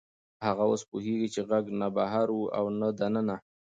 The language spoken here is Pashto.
هغه اوس پوهېږي چې غږ نه بهر و او نه دننه.